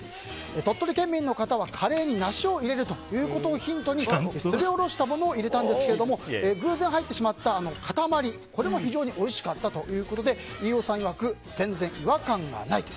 鳥取県民の方はカレーにナシを入れるというのをヒントにすりおろしたものを入れたんですけども偶然入ってしまった塊も非常においしかったということで飯尾さんいわく全然、違和感がないと。